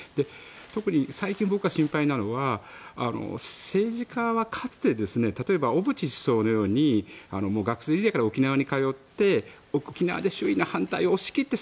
特に最近、僕が心配なのは政治家はかつて例えば小渕首相のように学生時代から沖縄に通って沖縄で周囲の反対を押し切って